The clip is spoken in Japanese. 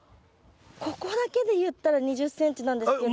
ここだけで言ったら２０ｃｍなんですけど。